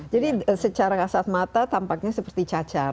jadi secara kasat mata tampaknya seperti cacar